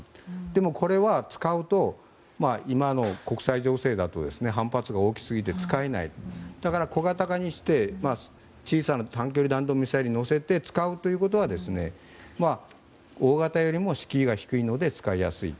でもこれは今の国際情勢だと反発が大きすぎて使えない、だから小型化にして小さな短距離弾道ミサイルに載せて使うということは大型よりも敷居が低いので使いやすい。